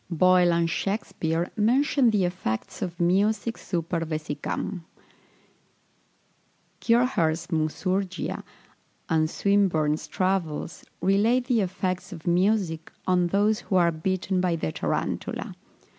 Boyle and Shakspeare mention the effects of music super vesicam. Kircher's "Musurgia," and Swinburne's Travels, relate the effects of music on those who are bitten by the tarantula.